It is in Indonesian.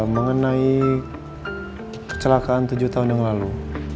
mengenai kecelakaan tujuh tahun yang lalu